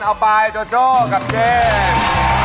เอาไปโจโจ้กับเชฟ